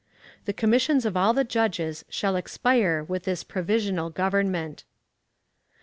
The commissions of all the judges shall expire with this provisional Government. 3.